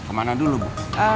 kemana dulu bu